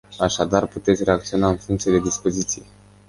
Așadar, puteți reacționa în funcție de dispoziție.